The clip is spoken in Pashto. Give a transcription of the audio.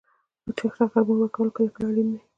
چټک غبرګون ورکول کله کله اړین وي.